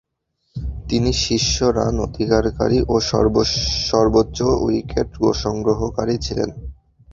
তিনি শীর্ষ রান সংগ্রহকারী ও সর্বোচ্চ উইকেট সংগ্রহকারী ছিলেন।